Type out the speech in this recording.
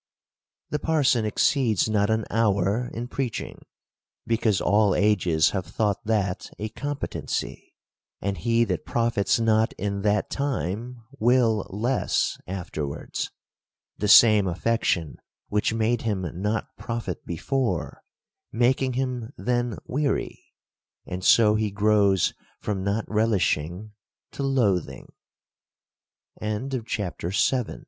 The parson exceeds not an hour in preaching, because 20 THE COUNTRY PARSON. all ages have thought that a competency : and he that profits not in that time, will less afterwards ; the same affection which made him not profit before, making him then weary ; and so he grows from not relishing, to loathin